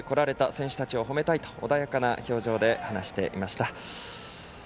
選手たちを褒めたいと穏やかな表情で話していました。